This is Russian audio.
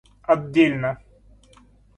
отдельно